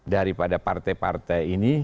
daripada partai partai ini